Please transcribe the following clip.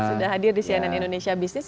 sudah hadir di cnn indonesia business